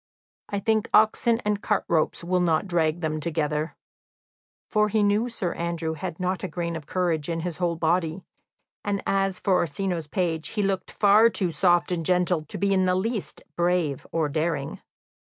I think oxen and cart ropes will not drag them together." For he knew Sir Andrew had not a grain of courage in his whole body; and as for Orsino's page, he looked far too soft and gentle to be in the least brave or daring.